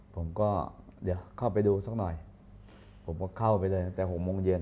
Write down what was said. ผมก็เดี๋ยวเข้าไปดูสักหน่อยผมก็เข้าไปเลยตั้งแต่๖โมงเย็น